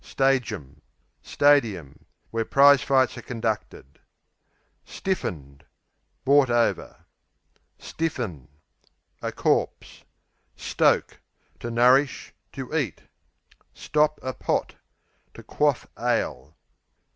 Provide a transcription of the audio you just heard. Stajum Stadium, where prize fights are conducted. S tiffened Bought over. Stiff un A corpse. Stoke To nourish; to eat. Stop a pot To quaff ale.